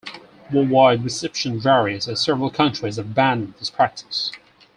Worldwide reception varies as several countries have banned the practice.